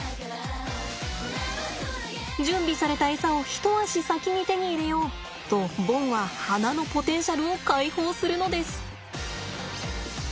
準備されたエサを一足先に手に入れようとボンは鼻のポテンシャルを解放するのです。